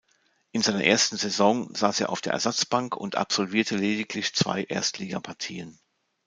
In seiner ersten Saison saß er auf der Ersatzbank und absolvierte lediglich zwei Erstligapartien.